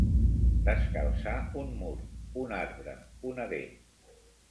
Descalçar un mur, un arbre, una dent.